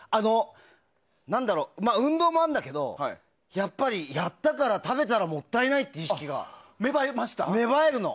運動もあるんだけど、やったから食べたらもったいないっていう意識が芽生えるの。